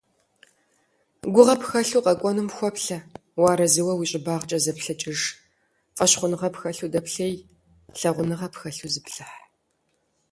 Гугъэ пхэлъу къэкӏуэнум хуэплъэ, уарэзыуэ уи щӏыбагъкӏэ зэплъэкӏыж, фӏэщхъуныгъэ пхэлъу дэплъей, лъагъуныгъэ пхэлъу зыплъыхь.